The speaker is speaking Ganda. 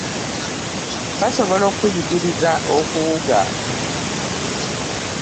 Basobola okuyigiriza okuwuga?